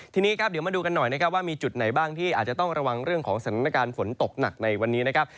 ทีนี้ครับเดี๋ยวมาดูกันหน่อยนะครับว่ามีจุดไหนบ้างที่อาจจะต้องระวังเรื่องของสถานการณ์ฝนตกหนักในวันนี้นะครับ